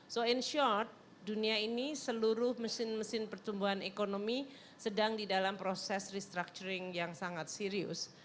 so in short dunia ini seluruh mesin mesin pertumbuhan ekonomi sedang di dalam proses restructuring yang sangat serius